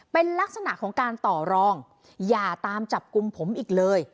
เป็นลักษณะของการต่อรองอย่าตามจับกลุ่มผมอีกเลย